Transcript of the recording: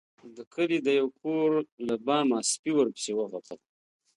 د کلي د يو کور له بامه سپي ورپسې وغپل.